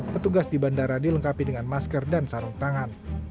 petugas di bandara dilengkapi dengan masker dan sarung tangan